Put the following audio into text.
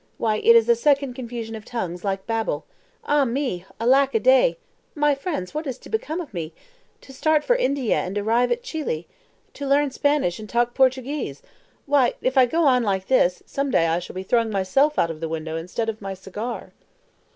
Why, it is a second confusion of tongues, like Babel. Ah me! alack a day! my friends, what is to become of me? To start for India and arrive at Chili! To learn Spanish and talk Portuguese! Why, if I go on like this, some day I shall be throwing myself out of the window instead of my cigar!"